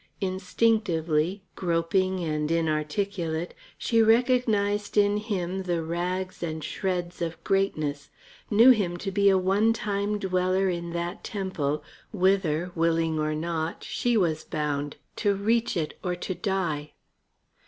Instinctively, groping and inarticulate, she recognized in him the rags and shreds of greatness, knew him to be a one time dweller in that temple whither, willing or not, she was bound, to reach it or to die.